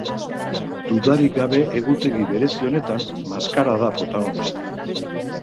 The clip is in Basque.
Dudarik gabe egutegi berezi honetan, maskara da protagonista.